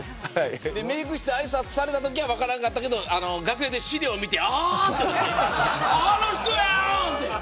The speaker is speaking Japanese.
メーク室であいさつされたときは分からなかったけど楽屋で資料を見てあの人やんって。